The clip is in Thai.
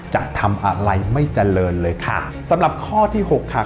จะทำอะไรไม่เจริญเลยค่ะสำหรับข้อที่หกค่ะ